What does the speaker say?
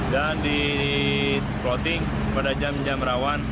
dan di plotting pada jam jam rawan